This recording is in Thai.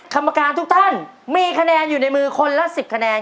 กรรมการทุกท่านมีคะแนนอยู่ในมือคนละ๑๐คะแนน